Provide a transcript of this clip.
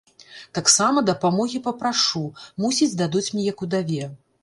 Таксама дапамогі папрашу, мусіць дадуць мне як удаве.